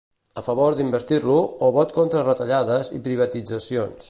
A favor d'investir-lo o vot contra retallades i privatitzacions.